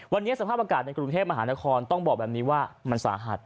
วันนี้สภาพอากาศในกรุงเทพมหานครต้องบอกแบบนี้ว่ามันสาหัส